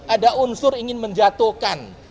ada unsur ingin menjatuhkan